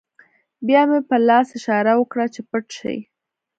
بیا مې په لاس اشاره وکړه چې پټ شئ